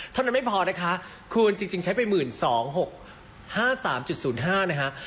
เท่านั้นไม่พอนะคะคูณจริงใช้ไป๑๒๖๕๓๐๕นะคะ